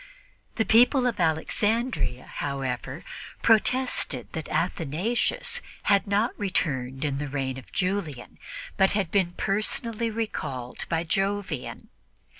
The people of Alexandria, however, protested that Athanasius had not returned in the reign of Julian but had been personally recalled by Jovian.